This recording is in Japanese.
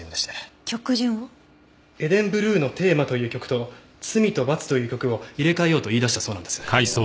『エデンブルーのテーマ』という曲と『罪と罰』という曲を入れ替えようと言い出したそうなんです。